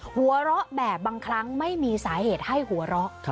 หัวเราะแบบบางครั้งไม่มีสาเหตุให้หัวเราะ